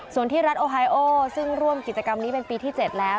ส่วนที่รัฐโอไฮโอซึ่งร่วมกิจกรรมนี้เป็นปีที่๗แล้ว